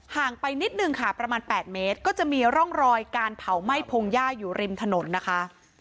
งไปนิดนึงค่ะประมาณ๘เมตรก็จะมีร่องรอยการเผาไหม้พงหญ้าอยู่ริมถนนนะคะ